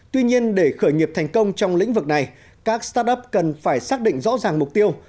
tuy nhiên để khởi nghiệp thành công trong lĩnh vực này các start up cần phải xác định rõ ràng mục tiêu